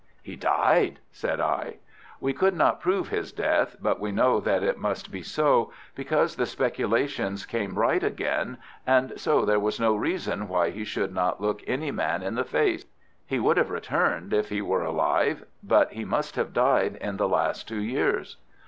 "He died!" said I. "We could not prove his death, but we know that it must be so, because the speculations came right again, and so there was no reason why he should not look any man in the face. He would have returned if he were alive. But he must have died in the last two years."